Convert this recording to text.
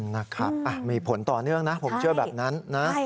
นะครับมีผลต่อเนื่องนะผมเชื่อแบบนั้นนะ